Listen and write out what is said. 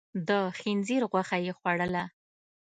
د خنزير غوښه يې خوړله؟